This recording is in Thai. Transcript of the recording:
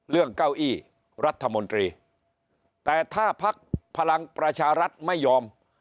เก้าอี้รัฐมนตรีแต่ถ้าพักพลังประชารัฐไม่ยอม